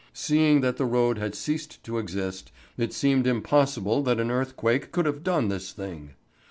Seeing that the road had ceased to exist, it seemed impossible that an earthquake could have done this thing.